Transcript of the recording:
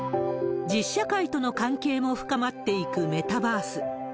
実社会との関係も深まっていくメタバース。